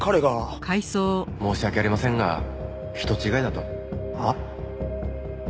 申し訳ありませんが人違いだと。はあ？